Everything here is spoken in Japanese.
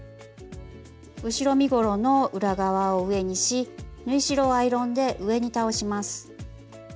後ろ身ごろの裏側を上にし縫い代をアイロンで上に倒します。